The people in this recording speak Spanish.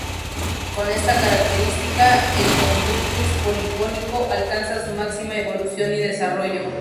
Con esta característica, el conductus polifónico alcanza su máxima evolución y desarrollo.